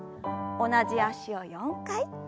同じ脚を４回。